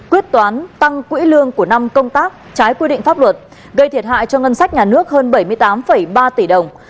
quyết toán tăng quỹ lương của năm công tác trái quy định pháp luật gây thiệt hại cho ngân sách nhà nước hơn bảy mươi tám ba tỷ đồng